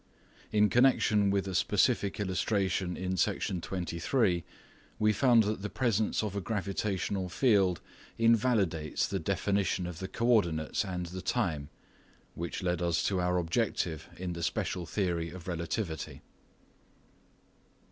In connection with a specific illustration in Section 23, we found that the presence of a gravitational field invalidates the definition of the coordinates and the ifine, which led us to our objective in the special theory of relativity.